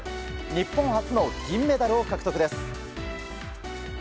日本初の銀メダルを獲得です。